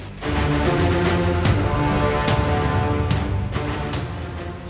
saat ini penyisiran residu bahan peledak masih terus dilakukan di area permukiman warga